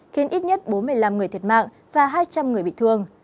khiến ít nhất bốn mươi năm người thiệt mạng và hai trăm linh người bị thương